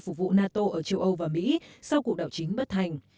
phục vụ nato ở châu âu và mỹ sau cuộc đảo chính bất thành